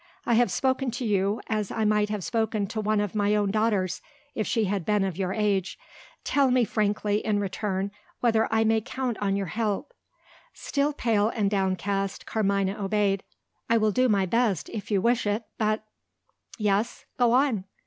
I have spoken to you, as I might have spoken to one of my own daughters, if she had been of your age. Tell me frankly, in return, whether I may count on your help." Still pale and downcast, Carmina obeyed. "I will do my best, if you wish it. But " "Yes? Go on."